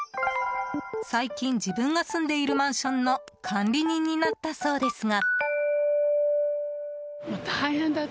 最近、自分が住んでいるマンションの管理人になったそうですが。